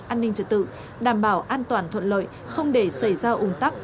an ninh trật tự đảm bảo an toàn thuận lợi không để xảy ra ủng tắc